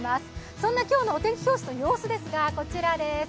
そんな今日のお天気教室の様子ですが、こちらです。